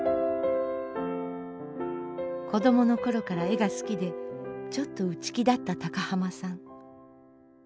子どもの頃から絵が好きでちょっと内気だった高浜さん。